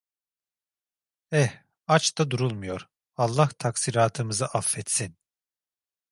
Eh, aç da durulmuyor, Allah taksiratımızı affetsin!